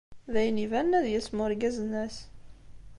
D ayen ibanen ad yasem urgaz-nnes.